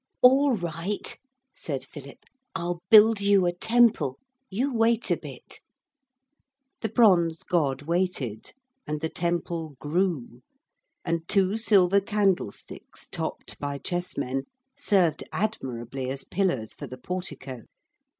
'All right,' said Philip. 'I'll build you a temple. You wait a bit.' The bronze god waited and the temple grew, and two silver candlesticks, topped by chessmen, served admirably as pillars for the portico.